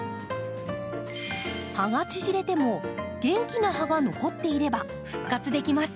葉が縮れても元気な葉が残っていれば復活できます。